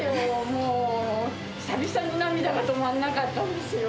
もう、久々に涙が止まんなかったんですよ。